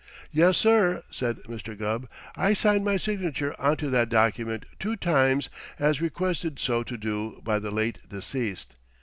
"Yes, sir," said Mr. Gubb. "I signed my signature onto that document two times as requested so to do by the late deceased.